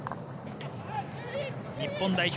日本代表